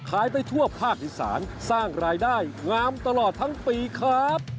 ขายได้ทั่วภาคอีสานสร้างรายได้งามตลอดทั้งปีครับ